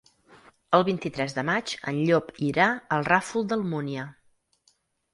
El vint-i-tres de maig en Llop irà al Ràfol d'Almúnia.